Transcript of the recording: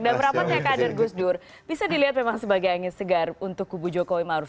dalam rapatnya kader gus dur bisa dilihat memang sebagai angin segar untuk kubu jokowi maruf